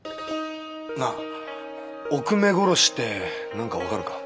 なあおくめ殺しって何か分かるか？